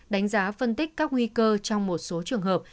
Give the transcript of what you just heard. đánh giá phân tích các nguy cơ trong một số trường hợp